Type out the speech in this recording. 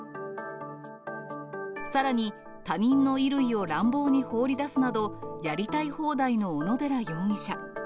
さらに他人の衣類を乱暴に放り出すなど、やりたい放題の小野寺容疑者。